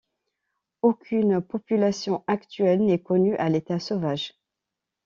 Aucune population actuelle n'est connue à l'état sauvage.